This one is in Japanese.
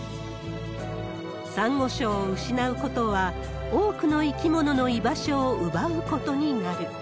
サンゴ礁を失うことは、多くの生き物の居場所を奪うことになる。